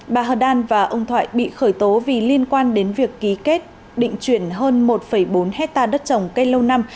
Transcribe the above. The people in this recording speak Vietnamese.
bà hờ đan và ông thoại bị khởi tố vì liên quan đến việc ký kết định chuyển hơn một bốn hectare đất trồng cây lâu năm